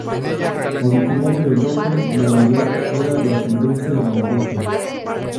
Originario de Brooklyn, Nueva York, era de de ascendencia irlandesa.